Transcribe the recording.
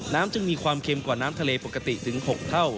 จึงมีความเค็มกว่าน้ำทะเลปกติถึง๖เท่า